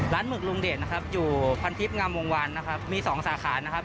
หมึกลุงเดชนะครับอยู่พันทิพย์งามวงวันนะครับมีสองสาขานะครับ